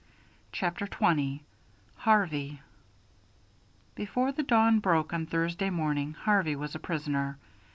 CHAPTER XX HARVEY Before the dawn broke on Thursday morning Harvey was a prisoner.